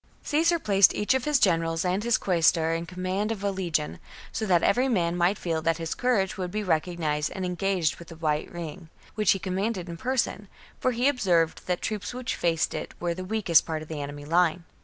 52. Caesar placed each of his generals and his quaestor in command of a legion, so that every man might feel that his courage would be recognized, and engaged with the right wing, which he commanded in person, for he observed that the troops which faced it were the weakest part of the enemy's line.